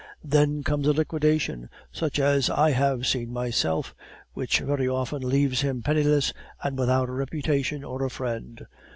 Then comes a liquidation, such as I have seen myself, which very often leaves him penniless and without a reputation or a friend.